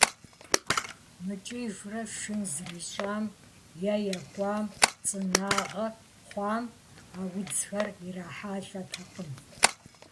Мыкӏыжурэ шын зрищӏам, е екӏуам, цӏынагъэ хъуам а удзхэр ирахьэлӏэтэкъым.